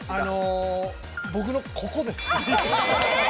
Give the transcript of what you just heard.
僕のここです。